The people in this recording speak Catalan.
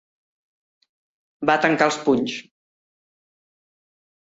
Va tancar els punys.